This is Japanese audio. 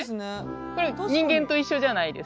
これ人間と一緒じゃないですか。